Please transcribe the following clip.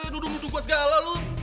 duduk duduk gue segala lo